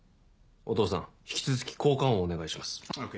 お父さん引き続き効果音をお願いします。ＯＫ！